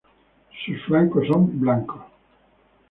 Sus flancos son blancos.